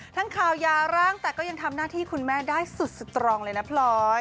ข่าวยาร่างแต่ก็ยังทำหน้าที่คุณแม่ได้สุดสตรองเลยนะพลอย